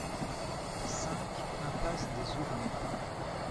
cinq impasse des Ourneaux